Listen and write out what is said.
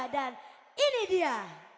dan ini dia